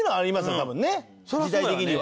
多分ね時代的には。